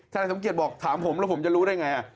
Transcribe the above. นายสมเกียจบอกถามผมแล้วผมจะรู้ได้ไง